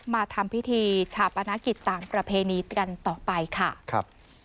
มาทำพิธีชาปนกิจตามประเพณีกันต่อไปค่ะครับ